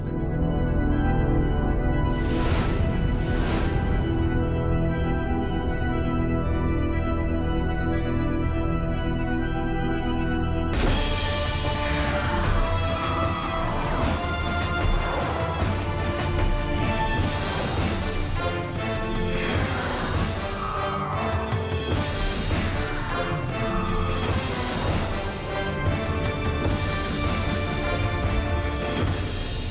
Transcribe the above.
สวัสดีครับ